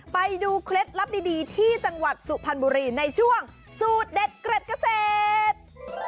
เคล็ดลับดีที่จังหวัดสุพรรณบุรีในช่วงสูตรเด็ดเกร็ดเกษตร